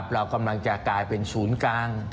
เรากำลังจะกลายเป็นศูนย์กลาง